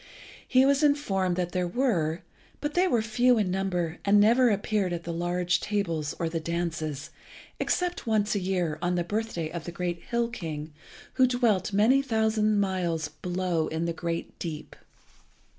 He was informed that there were, but they were few in number, and never appeared at the large tables or the dances, except once a year, on the birthday of the great Hill king, who dwelt many thousand miles below in the great deep.